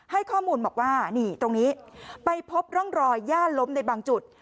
ให้ข้อมูลบอกว่านี่ตรงนี้ไปพบร่องรอยย่าล้มในบางจุด